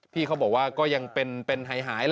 พี่เขาบอกว่าก็ยังเป็นหาย